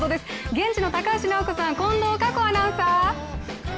現地の高橋尚子さん、近藤夏子アナウンサー！